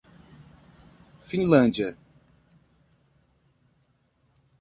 Finlândia, intifada, Oslo, Osama Bin Laden, Talibã